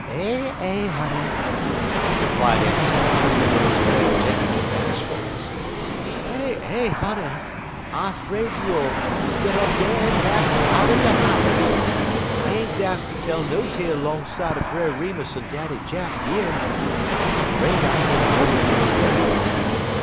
"Eh eh, honey!" replied Aunt Tempy, with a display of genuine bashfulness; "eh eh, honey! I 'fraid you all 'll set up dar un laugh me outer de house. I ain't dast ter tell no tale 'long side er Brer Remus un Daddy Jack yer. I 'fraid I git it all mix up."